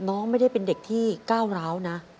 น้องไม่ได้เป็นเด็กที่ก้าวร้าวนะ